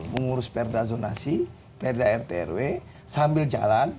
mengurus perda zonasi perda rtrw sambil jalan